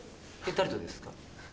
誰とですか？